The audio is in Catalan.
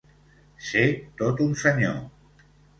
Ser tot un senyor.